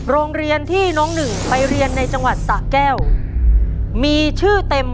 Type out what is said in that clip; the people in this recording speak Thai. โรงเรียนที่น้องหนึ่งไปเรียนในจังหวัดสะแก้วมีชื่อเต็ม